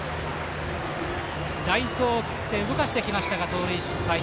代走を送って動かしてきましたが盗塁失敗。